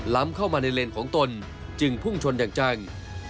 เข้ามาในเลนของตนจึงพุ่งชนอย่างจัง